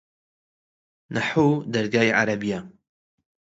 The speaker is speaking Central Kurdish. نەحوو دەرگای عەرەبییە